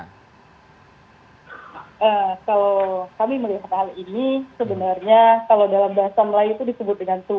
kalau kami melihat hal ini sebenarnya kalau dalam bahasa melayu itu disebut dengan